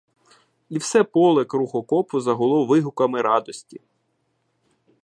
І все поле круг окопу загуло вигуками радости.